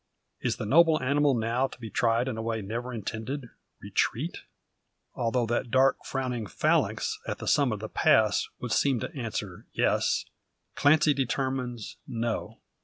Is the noble animal now to be tried in a way never intended retreat? Although that dark frowning phalanx, at the summit of the pass, would seem to answer "yes," Clancy determines "no."